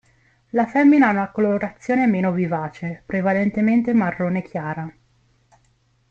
La femmina ha una colorazione meno vivace, prevalentemente marrone chiara.